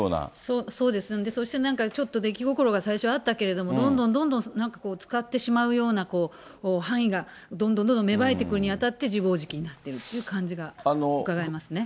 そしてなんか、ちょっと出来心が最初あったけれども、どんどんどんどん、なんかこう、使ってしまうような範囲が、どんどんどんどん芽生えてくるにあたって、自暴自棄になってるという感じがうかがえますね。